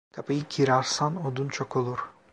Kapıyı kırarsan odun çok olur.